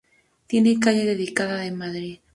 Tiene calle dedicada en Madrid.